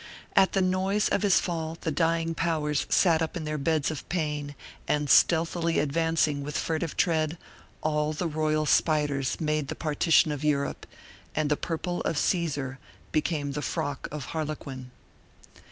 At the noise of his fall, the dying powers sat up in their beds of pain; and stealthily advancing with furtive tread, all the royal spiders made the partition of Europe, and the purple of Caesar became the frock of Harlequin.